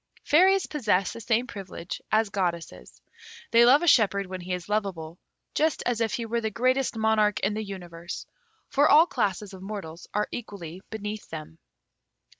Fairies possess the same privilege as goddesses. They love a shepherd when he is loveable, just as if he were the greatest monarch in the universe. For all classes of mortals are equally beneath them.